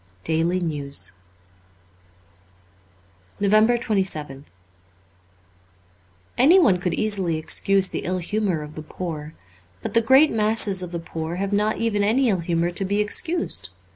' Daily NtwsJ 366 NOVEMBER 27th ANYONE could easily excuse the ill humour of the poor. But great masses of the poor have not even any ill humour to be excused.